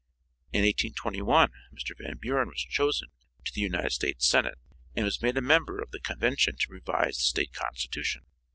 In 1821 Mr. Van Buren was chosen to the United States Senate and was made a member of the convention to revise the State constitution.